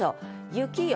「雪よ」